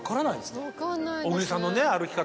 小栗さんのね歩き方。